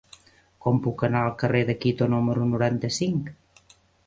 Com puc anar al carrer de Quito número noranta-cinc?